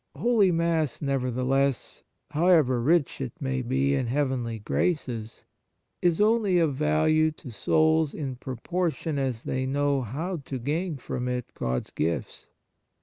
Holy Mass, nevertheless, however rich it may be in heavenly graces, is only of value to souls in proportion as they know how to gain from it God s gifts.